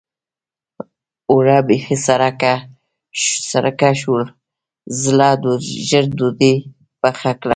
اوړه بېخي سرکه شول؛ ژر ډودۍ پخه کړه.